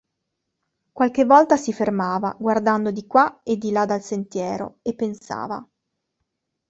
Qualche volta si fermava, guardando di qua e di là dal sentiero, e pensava:.